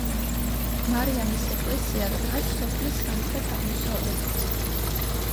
მარიამის ეკლესია დგას სოფლის სამხრეთ-აღმოსავლეთით.